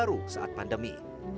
baru saat pandemi